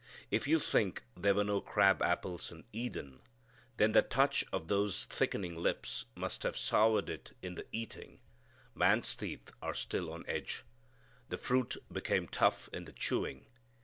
If you think there were no crab apples in Eden, then the touch of those thickening lips must have soured it in the eating man's teeth are still on edge. The fruit became tough in the chewing.